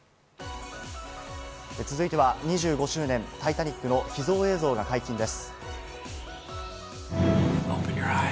続いては２５周年『タイタニック』の秘蔵映像が解禁です。